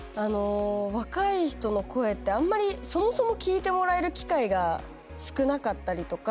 若い人の声ってあんまりそもそも聴いてもらえる機会が少なかったりとか